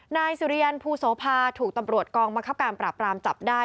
นายสุริยันภูโสภาถูกตำรวจกองบังคับการปราบรามจับได้